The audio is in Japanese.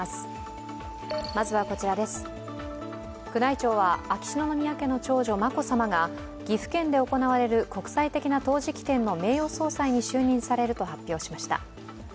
宮内庁は、秋篠宮家の長女眞子さまが岐阜県で行われる国際的な陶磁器展の名誉総裁に就任されると発表しました。